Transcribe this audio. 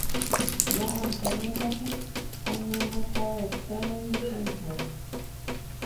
Ña Antonia katu oñembotavyeténte chuguikuéra.